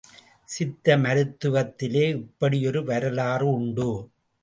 சித்த மருத்துவத்திலே இப்படி ஒரு வரலாறு உண்டு.